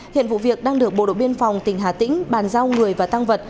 hiện vụ việc đang được bộ đội biên phòng tỉnh hà tĩnh bàn giao người và tăng vật